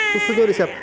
susunya udah siap